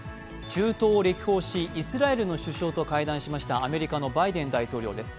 中東を歴訪しイスラエルの首相と会談しましたアメリカのバイデン大統領です。